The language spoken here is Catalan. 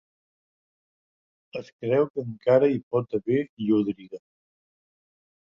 Es creu que encara hi pot haver llúdrigues.